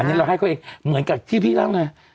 อันนี้เราให้เขาเองเหมือนกับที่พี่เล่าไง